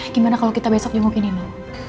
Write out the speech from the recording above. gimana kalau kita besok jengukin nino